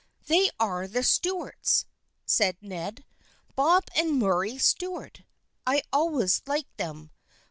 " They are the Stuarts," said Ned. " Bob and Murray Stuart. I always liked them.